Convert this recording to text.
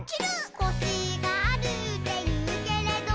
「コシがあるっていうけれど」